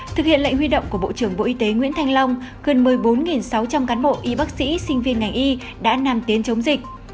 thực hiện lệnh huy động của bộ trưởng bộ y tế nguyễn thanh long gần một mươi bốn sáu trăm linh cán bộ y bác sĩ sinh viên ngành y đã nằm tiến chống dịch